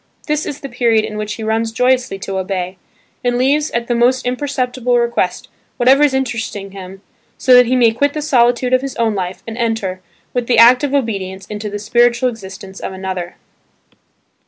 This is the period in which he runs joyously to obey, and leaves at the most imperceptible request whatever is interesting him so that he may quit the solitude of his own life and enter, with the act of obedience into the spiritual existence of another.